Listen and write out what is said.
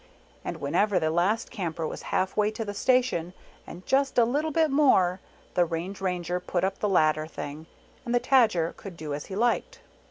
And whenever the last Camper was half way to the station, and just a little bit more, the Range Ranger put up the ladder, thing, and the Tajer could do as he liked.